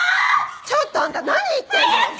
ちょっとあんた何言ってんの！？早く！